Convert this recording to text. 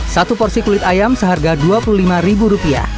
satu porsi kulit ayam seharga rp dua puluh lima